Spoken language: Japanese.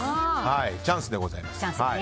チャンスでございます。